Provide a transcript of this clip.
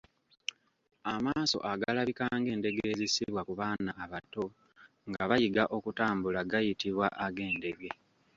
Amaaso agalabika ng’endege ezissibwa ku baana abato nga bayiga okutambula gayitibwa ag’endege.